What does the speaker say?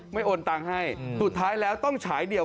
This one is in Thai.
โอนตังค์ให้สุดท้ายแล้วต้องฉายเดียว